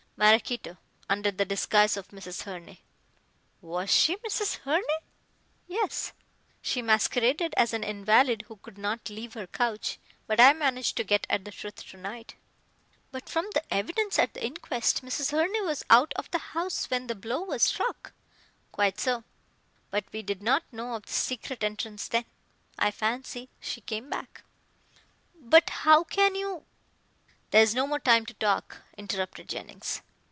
"Maraquito, under the disguise of Mrs. Herne." "Was she Mrs. Herne?" "Yes. She masqueraded as an invalid who could not leave her couch, but I managed to get at the truth to night." "But from the evidence at the inquest, Mrs. Herne was out of the house when the blow was struck." "Quite so: But we did not know of this secret entrance then. I fancy she came back " "But how can you " "There's no more time to talk," interrupted Jennings.